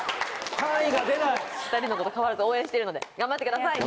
２人のこと変わらず応援してるので頑張ってください！